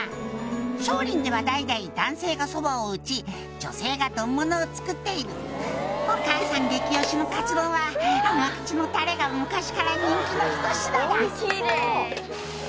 「松隣では代々男性がそばを打ち女性が丼ものを作っている」「お母さん激推しのカツ丼は甘口のタレが昔から人気の一品だ」